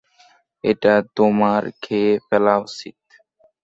এটা তোমার খেয়ে ফেলা উচিত।